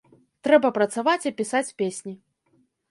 Трэба працаваць і пісаць песні.